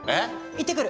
行ってくる！